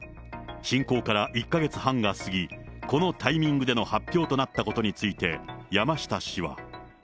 侵攻から１か月半が過ぎ、このタイミングでの発表になったことについて、山下氏は。